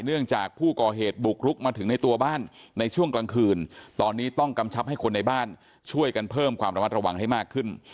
เนื่องจากผู้ก่อเหตุบุกรุกมาถึงในตัวบ้านในช่วงกลางคืนตอนนี้ต้องกำชับให้คนในบ้านช่วยกันเพิ่มความระมัดระวังให้มากขึ้น